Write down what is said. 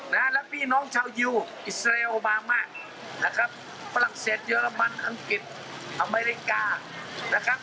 แล้วมีน้องชาวยิวอิสราเอลออบามาฝรั่งเศสเยอรมันอังกฤษอเมริกา